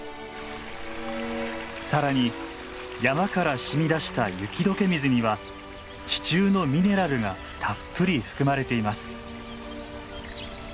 更に山から染み出した雪解け水には地中のミネラルがたっぷり含まれています。